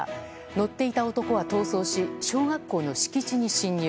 乗っていた男は逃走し小学校の敷地に侵入。